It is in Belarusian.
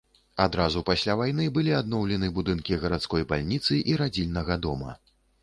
Адразу пасля вайны былі адноўлены будынкі гарадской бальніцы і радзільнага дома.